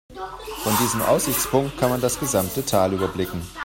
Von diesem Aussichtspunkt kann man das gesamte Tal überblicken.